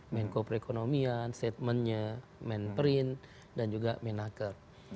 menko perekonomian statementnya men print dan juga men hacker